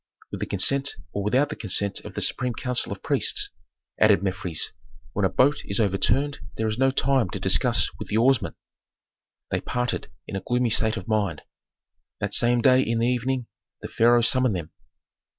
"With the consent or without the consent of the supreme council of priests," added Mefres. "When a boat is overturned there is no time to discuss with the oarsmen." They parted in a gloomy state of mind. That same day in the evening the Pharaoh summoned them.